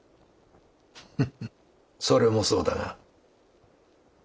フフッそれもそうだが。